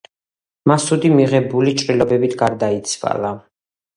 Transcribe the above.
მასუდი მიღებული ჭრილობებით გარდაიცვალა.